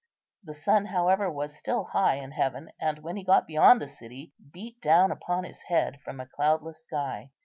The sun, however, was still high in heaven, and when he got beyond the city beat down upon his head from a cloudless sky.